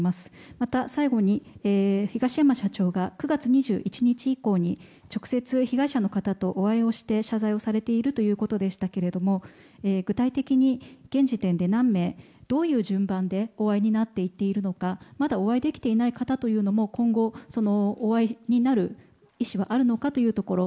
また最後に東山社長が９月２１日以降に直接、被害者の方とお会いをして謝罪をされているということでしたけれども具体的に現時点で何名どういう順番でお会いになっていっているのかまだお会いできていない方とも今後、お会いになる意思はあるのかというところ。